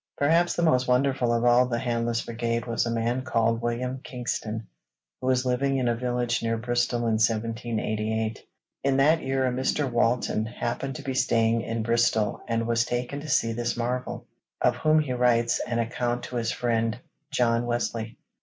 Perhaps the most wonderful of all the 'Handless Brigade' was a man called William Kingston, who was living in a village near Bristol in 1788. In that year a Mr. Walton happened to be staying in Bristol and was taken to see this marvel, of whom he writes an account to his friend John Wesley.